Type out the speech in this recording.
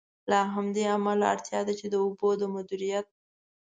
له همدې امله، اړتیا ده چې د اوبو د مدیریت.